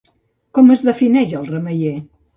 Com es defineix el remeier?